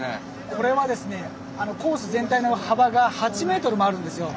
これはですねコース全体の幅が８ｍもあるんですよ。